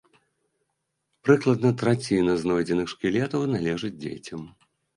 Прыкладна траціна знойдзеных шкілетаў належыць дзецям.